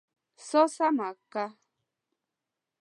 سا سمه که!